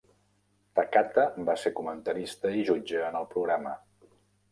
Takata va ser comentarista i jutge en el programa.